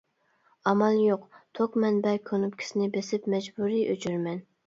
ئامال يوق توك مەنبە كۇنۇپكىسىنى بېسىپ مەجبۇرىي ئۆچۈرىمەن.